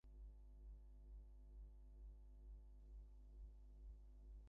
The daughter of a Philadelphia carpenter and a housewife, Hamel graduated from Temple University.